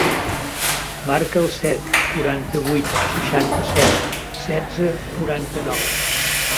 Marca el set, quaranta-vuit, seixanta-set, setze, quaranta-nou.